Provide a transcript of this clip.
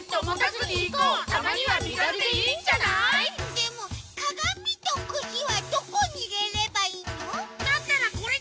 でもかがみとくしはどこにいれればいいの？